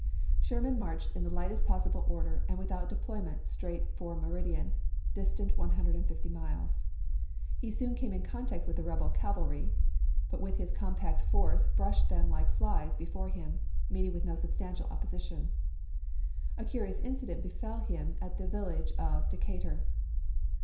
Sherman marched in the lightest possible order and without deployment straight for Meridian, distant 150 miles. He soon came in contact with the rebel cavalry, but with his compact force brushed them like flies be fore him, meeting with no substantial opposition. A curious incident befell him at the village of De catur.